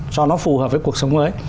cho nó phù hợp với cuộc sống mới